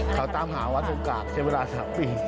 เขาตามหาวัสดิ์กราศเช่นเวลาสักปี